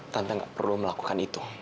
tante enggak perlu melakukan itu